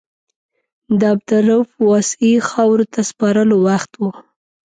د عبدالرؤف واسعي خاورو ته سپارلو وخت و.